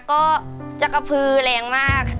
ก็จะกระพือแรงมาก